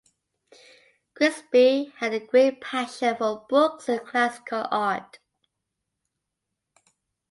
Grigsby had a great passion for books and classical art.